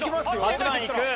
８番いく。